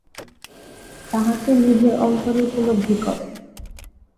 তাঁহাকে নিজের অন্তরে উপলব্ধি কর।